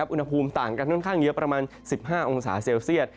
อุณหภูมิต่างกันค่อนข้างเยอะประมาณ๑๕องศาเซลเซียต